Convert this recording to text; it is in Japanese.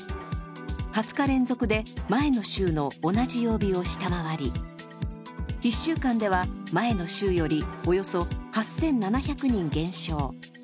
２０日連続で前の週の同じ曜日を下回り、１週間では前の週よりおよそ８７００人減少。